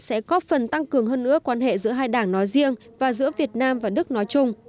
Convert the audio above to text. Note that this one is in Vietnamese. sẽ góp phần tăng cường hơn nữa quan hệ giữa hai đảng nói riêng và giữa việt nam và đức nói chung